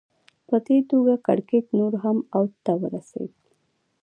په دې توګه کړکېچ نور هم اوج ته ورسېد